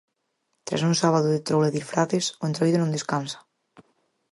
Tras un sábado de troula e disfraces, o entroido non descansa.